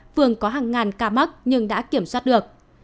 thủ tướng đã kiểm soát được